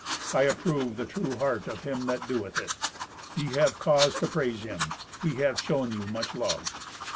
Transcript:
I approve the true heart of him that doeth it. Ye have cause to praise him. He hath shown you much love."